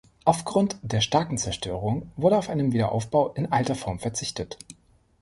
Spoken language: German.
Aufgrund der starken Zerstörung wurde auf einen Wiederaufbau in alter Form verzichtet.